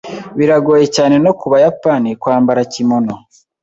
Biragoye cyane no kubayapani kwambara kimono.